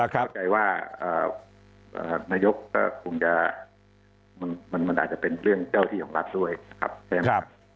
เข้าใจว่านายกก็คงจะมันอาจจะเป็นเรื่องเจ้าที่ของรัฐด้วยนะครับใช่ไหมครับ